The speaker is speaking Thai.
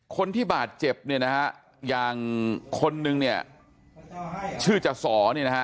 คนที่บาดเจ็บเนี่ยนะฮะอย่างคนนึงเนี่ยชื่อจสอเนี่ยนะฮะ